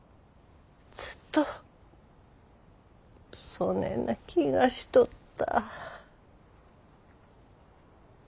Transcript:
ずっとそねえな気がしとった。